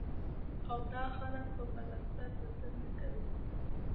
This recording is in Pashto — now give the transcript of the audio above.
او دا خلک به پلستر د څۀ نه کوي ـ